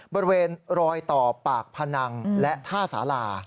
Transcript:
บริเวณรอยต่อปากพนังและท่าสารา